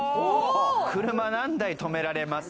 車何台、止められます？